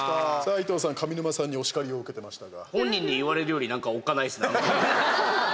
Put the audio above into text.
伊藤さん、上沼さんにお叱りを受けていましたが。